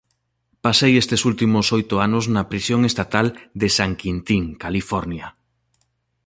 Pasei estes últimos oito anos na Prisión Estatal de San Quintín, California.